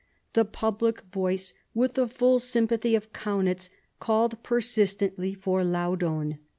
The public voice, with the full sympathy of Kaunitz, called persistently for Laudon.